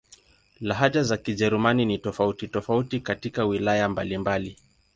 Lahaja za Kijerumani ni tofauti-tofauti katika wilaya mbalimbali.